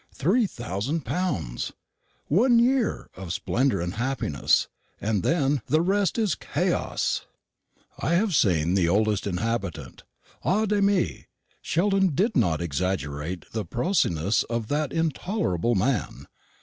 Three thousand pounds! One year of splendour and happiness, and then the rest is chaos! I have seen the oldest inhabitant. Ay de mi! Sheldon did not exaggerate the prosiness of that intolerable man.